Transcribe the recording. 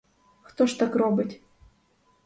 Хто ж так робить?